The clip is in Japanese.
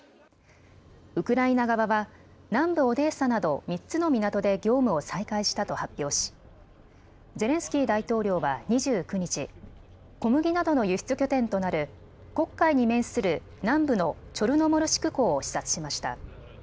ウクライナ側は南部オデーサなど３つの港で業務を再開したと発表しゼレンスキー大統領は２９日、小麦などの輸出拠点となる黒海に面する南部のチョルノモルシク港を視察しました。